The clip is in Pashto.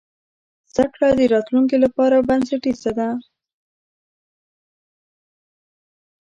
زده کړه د راتلونکي لپاره بنسټیزه ده.